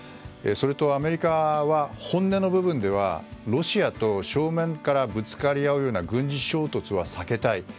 それと、アメリカは本音の部分ではロシアと正面からぶつかり合うような軍事衝突は避けたい。